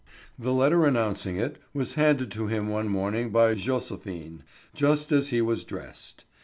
The letter announcing it was handed to him one morning by Joséphine, just as he was dressed.